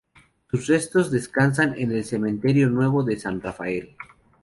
Sus restos descansan en el cementerio nuevo de San Rafael.